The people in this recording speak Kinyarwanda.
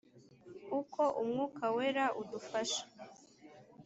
uko umwuka wera udufasha